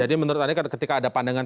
jadi menurut anda ketika ada pandangan